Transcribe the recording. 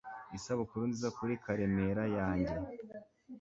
isabukuru nziza kuri karemera yanjye